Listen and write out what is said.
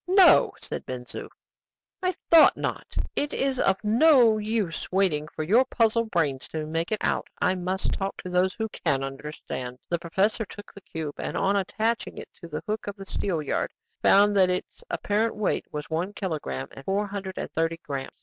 "No!" said Ben Zoof. "I thought not; it is of no use waiting for your puzzle brains to make it out. I must talk to those who can understand." The professor took the cube, and, on attaching it to the hook of the steelyard, found that its apparent weight was one kilogramme and four hundred and thirty grammes.